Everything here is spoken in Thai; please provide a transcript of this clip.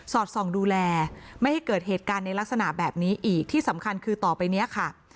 อดส่องดูแลไม่ให้เกิดเหตุการณ์ในลักษณะแบบนี้อีกที่สำคัญคือต่อไปเนี่ยค่ะ